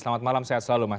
selamat malam sehat selalu mas